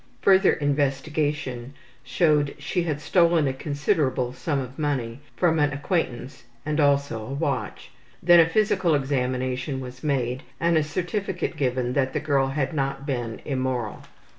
Further investigation showed she had stolen a considerable sum of money from an acquaintance and also a watch. Then a physical examination was made and a certificate given that the girl had not been immoral.